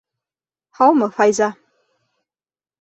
Һаумы, Файза!